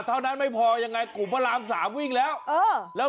เท่านั้นไม่พอยังไงกลุ่มพระรามสามวิ่งแล้วเออแล้ว